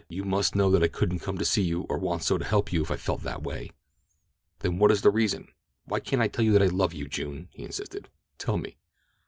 "You must know that I couldn't come to see you, or want so to help you, if I felt that way!" "Then what is the reason? Why can't I tell you that I love you, June?" he insisted. "Tell me."